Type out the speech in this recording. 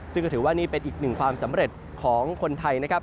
ซึ่งขนาดนี้เป็นอีก๑ความสำเร็จของคนไทย